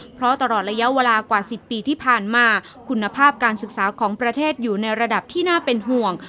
เพราะตลอดระยะเวลากว่า๑๐ปีที่ผ่านมาคุณภาพการศึกษาของประเทศอยู่ในระดับที่น่าเป็นห่วง